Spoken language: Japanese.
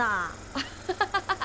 アハハハハ。